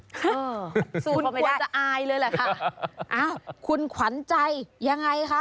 คุณขวัญคุณขวัญใจยังไงคะ